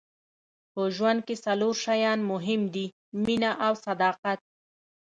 په ژوند کې څلور شیان مهم دي مینه او صداقت.